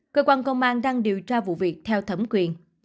cơ quan công an đang điều tra vụ việc theo thẩm quyền